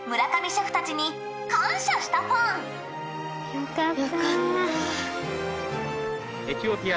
よかった。